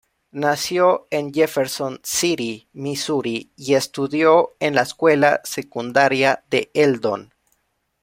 Nació en Jefferson City, Misuri y estudió en la escuela secundaria de Eldon.